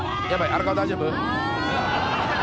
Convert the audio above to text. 荒川大丈夫？」